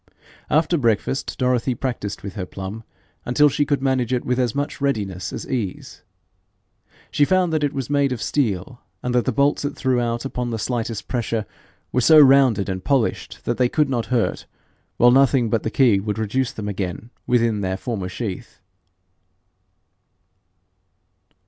After breakfast Dorothy practised with her plum until she could manage it with as much readiness as ease. She found that it was made of steel, and that the bolts it threw out upon the slightest pressure were so rounded and polished that they could not hurt, while nothing but the key would reduce them again within their former sheath.